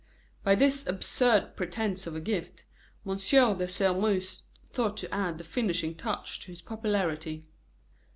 By this absurd pretence of a gift, M. de Sairmeuse thought to add the finishing touch to his popularity.